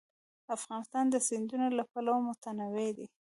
افغانستان د سیندونه له پلوه متنوع دی.